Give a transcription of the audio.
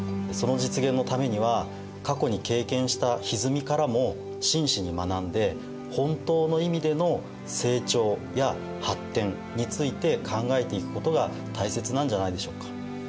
その実現のためには過去に経験したひずみからも真摯に学んで本当の意味での成長や発展について考えていくことが大切なんじゃないでしょうか。